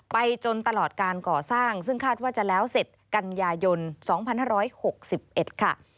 จนตลอดการก่อสร้างซึ่งคาดว่าจะแล้วเสร็จกันยายน๒๕๖๑ค่ะ